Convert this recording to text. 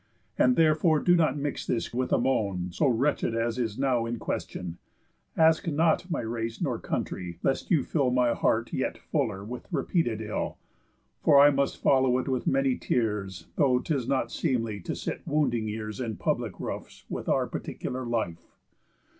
And therefore do not mix this with a moan So wretched as is now in question; Ask not my race nor country, lest you fill My heart yet fuller with repeated ill; For I must follow it with many tears, Though 'tis not seemly to sit wounding ears In public roofs with our particular life.